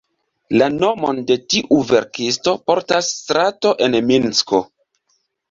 La nomon de tiu verkisto portas strato en Minsko.